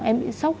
dạ em bị sốc